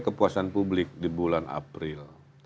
kepuasan publik di bulan april